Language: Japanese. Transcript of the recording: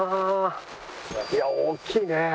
いや大きいね。